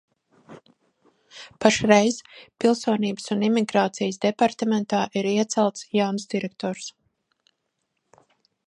Pašreiz Pilsonības un imigrācijas departamentā ir iecelts jauns direktors.